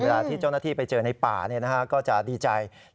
ที่เจ้าหน้าที่ไปเจอในป่าก็จะดีใจ